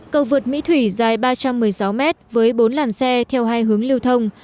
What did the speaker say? cầu vượt mỹ thủy dài ba trăm một mươi sáu mét với bốn làn xe theo hai hướng lưu thông